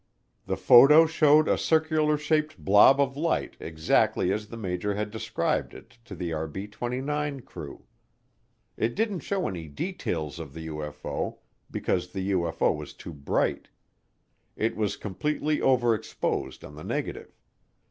The photo showed a circular shaped blob of light exactly as the major had described it to the RB 29 crew. It didn't show any details of the UFO because the UFO was too bright; it was completely overexposed on the negative.